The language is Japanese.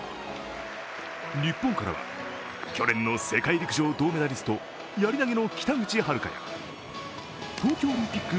日本からは、去年の世界陸上銅メダリスト、やり投げの北口榛花や東京オリンピック